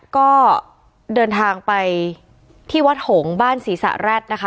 ก็เดินทางไปที่วัดหงษ์บ้านศรีสะแร็ดนะคะ